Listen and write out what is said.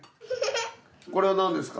これは何ですか？